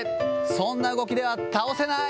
そんな動きでは倒せない。